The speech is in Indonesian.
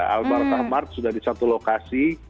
albaro kahmar sudah di satu lokasi